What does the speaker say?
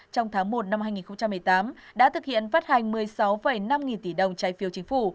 trong tháng một năm hai nghìn một mươi tám đã thực hiện phát hành một mươi sáu năm nghìn tỷ đồng trái phiếu chính phủ